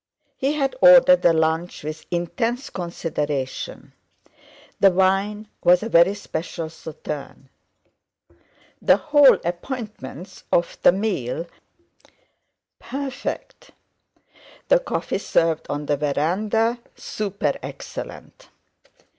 He had ordered the lunch with intense consideration; the wine was a very special Sauterne, the whole appointments of the meal perfect, the coffee served on the veranda super excellent.